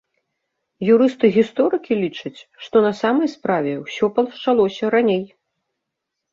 Юрысты-гісторыкі лічаць, што на самай справе ўсё пачалося раней.